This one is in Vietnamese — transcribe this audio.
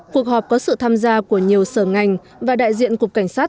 cuộc họp có sự tham gia của nhiều sở ngành và đại diện cục cảnh sát